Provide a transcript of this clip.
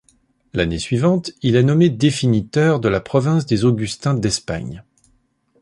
L'année suivante, il est nommé définiteur de la province des augustins d'Espagne.